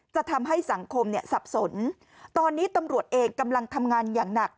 จะทำให้สังคมเนี่ยสับสนตอนนี้ตำรวจเองกำลังทำงานอย่างหนัก